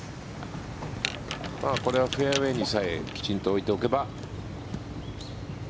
これはフェアウェーにさえきちんと置いておけば。